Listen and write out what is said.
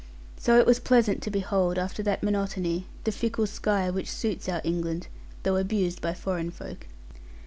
So it was pleasant to behold, after that monotony, the fickle sky which suits our England, though abused by foreign folk.